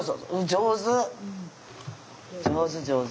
上手上手。